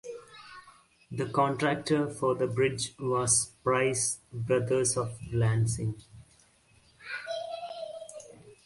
The contractor for the bridge was Price Brothers of Lansing.